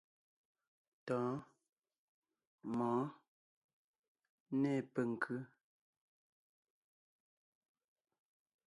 Tɔ̌ɔn, mɔ̌ɔn, nê penkʉ́.